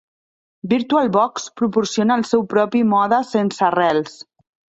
VirtualBox proporciona el seu propi mode sense arrels.